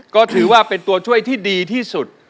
ก็ถือว่าเป็นตัวช่วยที่ดีที่สุด